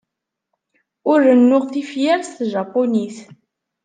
Ur rennuɣ tifyar s tjapunit.